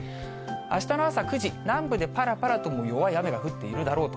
あしたの朝９時、南部でぱらぱらと、もう弱い雨が降っているだろうと。